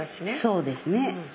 そうですね。